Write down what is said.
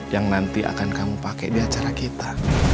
yang nanti akan kamu pakai di acara kita